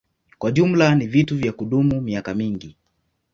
Kwa jumla ni vitu vya kudumu miaka mingi.